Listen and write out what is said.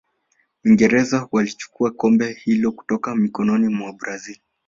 uingereza walichukua kombe hilo kutoka mikononi mwa brazil